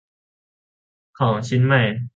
ของชิ้นใหม่